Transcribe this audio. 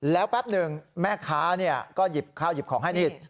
แล้วแป๊บหนึ่งแม่ค้าเนี่ยก็หยิบของให้นี่